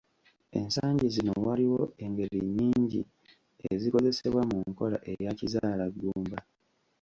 Ensangi zino waliwo engeri nnyingi ezikozesebwa mu nkola eya kizaalaggumba.